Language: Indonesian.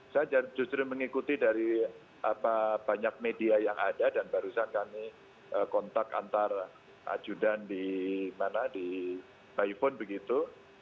saya justru mengikuti dari banyak media yang ada dan barusan kami kontak antara ajudan di biphone begitu